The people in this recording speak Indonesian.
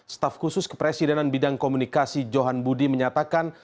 staf khusus kepresidenan bidang komunikasi johan budi menyatakan